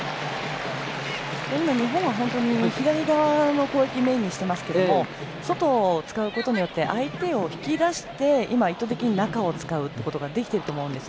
日本は左側の攻撃をメインにしてますけど外を使うことによって相手を引き出して今、意図的に中を使うっていうことができてると思うんです。